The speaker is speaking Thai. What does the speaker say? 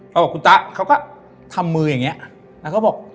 พอบอกคุณตะเขาก็ทำมืออย่างเงี้ยแล้วก็บอก